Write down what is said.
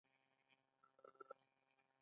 ستوري د اسمان ښکلا ته یو بله بڼه ورکوي.